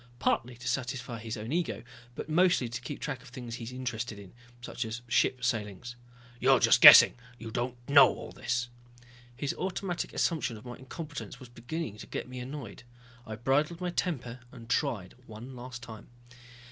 Partly to satisfy his own ego, but mostly to keep track of the things he is interested in. Such as ship sailings." "You're just guessing you don't know all this." His automatic assumption of my incompetence was beginning to get me annoyed. I bridled my temper and tried one last time.